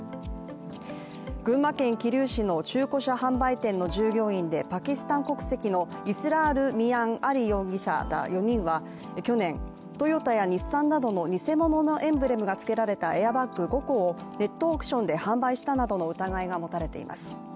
群馬県桐生市の中古車販売店の従業員でパキスタン国籍のイスラール・ミアン・アリ容疑者ら４人は去年、トヨタや日産などの偽物のエンブレムがつけられたエアバッグ５個をネットオークションで販売したなどの疑いが持たれています。